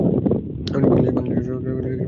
বাংলাদেশ সরকারের সচিব হিসেবে অবসর নেন।